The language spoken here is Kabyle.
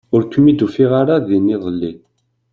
Ur kem-id-ufiɣ ara din iḍelli.